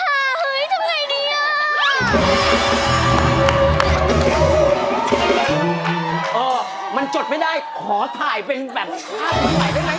กลุ่นกลิ่นบูงงาพาดมาด้วยรักจากใจ